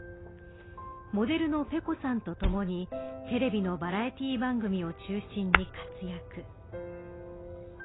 モデルのｐｅｃｏさんと共にテレビのバラエティー番組を中心に活躍。